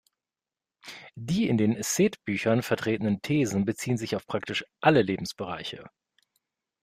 Die in den Seth-Büchern vertretenen Thesen beziehen sich auf praktisch alle Lebensbereiche.